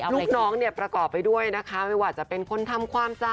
ลูกน้องเนี่ยประกอบไปด้วยนะคะไม่ว่าจะเป็นคนทำความสะ